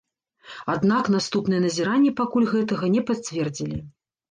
Аднак наступныя назіранні пакуль гэтага не пацвердзілі.